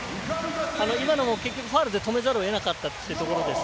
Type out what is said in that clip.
今のも結局、ファウルで止めざるをえなかったというところです。